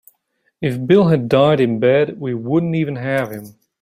If Bill had died in bed we wouldn't even have him.